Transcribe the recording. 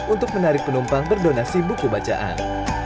untuk menarik penumpang berdonasi buku bacaan